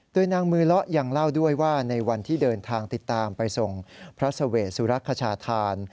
โดยนางมือเลาะยังเล่าด้วยว่าในวันที่เดินทางติดตามไปส่งพระเสวสุรคชาธาน